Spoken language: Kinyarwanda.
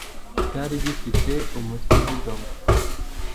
cyari gifite umutwe uvuga ngo